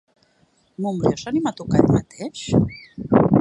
Montbrió s'animà a tocar ell mateix?